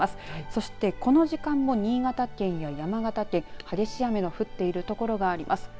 そして、この時間も新潟県や山形県、激しい雨の降っている所があります。